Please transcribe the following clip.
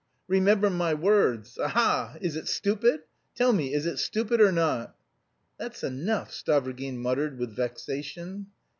Remember my words! Ha ha! Is it stupid? Tell me, is it stupid or not?" "That's enough!" Stavrogin muttered with vexation.